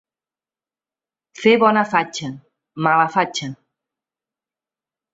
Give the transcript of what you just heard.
Fer bona fatxa, mala fatxa.